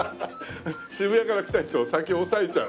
渋谷から来た人を先抑えちゃう。